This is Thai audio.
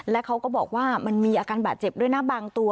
และเขาก็บอกว่ามันมีอาการบาดเจ็บด้วยนะบางตัว